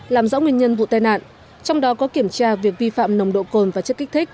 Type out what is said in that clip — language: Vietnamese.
làm rõ nguyên nhân vụ tai nạn trong đó có kiểm tra việc vi phạm nồng độ cồn và chất kích thích